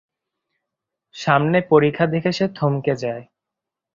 সামনে পরিখা দেখে সে থমকে যায়।